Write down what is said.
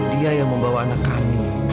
dia yang membawa anak kami